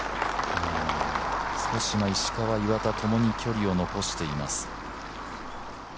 少し石川、岩田ともに距離を残しています。